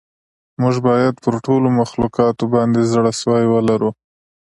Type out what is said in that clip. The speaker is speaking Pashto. موږ باید پر ټولو مخلوقاتو باندې زړه سوی ولرو.